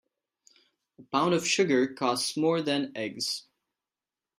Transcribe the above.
A pound of sugar costs more than eggs.